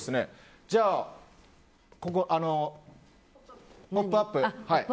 じゃあ、「ポップＵＰ！」。